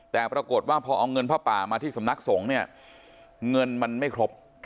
แต่ปรากฏว่าพอเอาเงินผ้าป่ามาที่สำนักสงฆ์เนี่ยเงินมันไม่ครบ